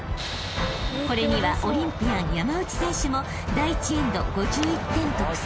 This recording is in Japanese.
［これにはオリンピアン山内選手も第１エンド５１点と苦戦］